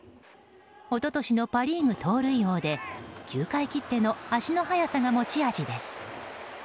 一昨年のパ・リーグ盗塁王で球界きっての足の速さが持ち味です。